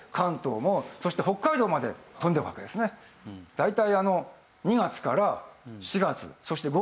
大体。